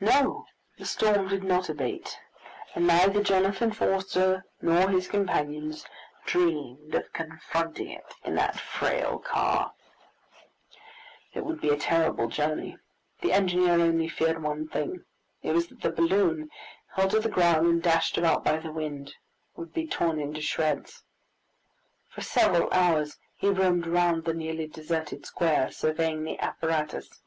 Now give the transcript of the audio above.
No! the storm did not abate, and neither Jonathan Forster nor his companions dreamed of confronting it in that frail car. It would be a terrible journey. The engineer only feared one thing; it was that the balloon, held to the ground and dashed about by the wind, would be torn into shreds. For several hours he roamed round the nearly deserted square, surveying the apparatus.